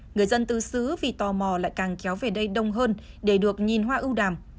người dân tứ xứ vì tò mò lại càng kéo về đây đông hơn để được nhìn hoa ưu đàm